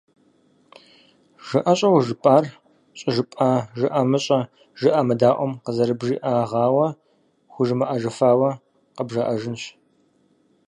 Жыӏэщӏэу жыпӏар щӏыжыпӏа жыӏэмыщӏэ-жыӏэмыдаӏуэм къызэрыбжиӏэгъауэ хужымыӏэжыфауэ къыбжаӏэжынщ.